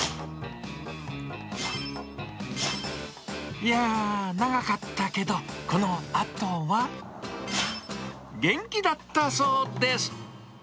いやー、長かったけど、このあとは。元気だったそうです。